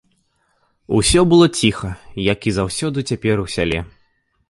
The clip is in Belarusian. Усё было ціха, як і заўсёды цяпер у сяле.